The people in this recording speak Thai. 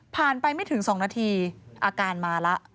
ผ่านไปไม่ถึงสองนาทีอาการมาละ